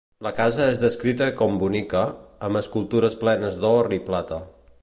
La casa és descrita com bonica, amb escultures plenes d'or i plata.